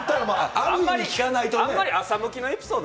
あんまり朝向きのエピソード